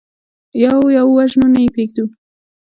يو يو وژنو، نه يې پرېږدو.